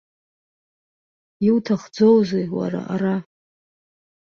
Иуҭахӡоузеи уара ара?